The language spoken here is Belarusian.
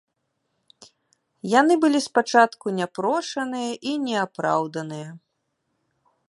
Яны былі спачатку няпрошаныя і неапраўданыя.